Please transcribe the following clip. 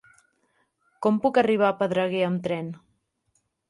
Com puc arribar a Pedreguer amb tren?